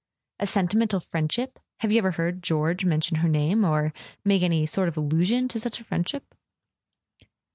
"A senti¬ mental friendship ? Have you ever heard George men¬ tion her name—or make any sort of allusion to such a friendship?"